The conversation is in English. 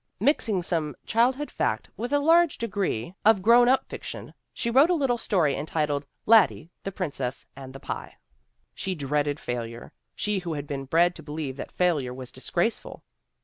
Mixing some childhood fact with a large degree of grown up 96 THE WOMEN WHO MAKE OUR NOVELS fiction, she wrote a little story entitled Laddie, the Princess, and the Pie" She dreaded failure, she who had been bred to be lieve that failure was disgraceful.